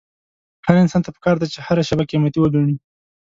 هر انسان ته پکار ده چې هره شېبه قيمتي وګڼي.